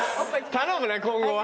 頼むね今後は。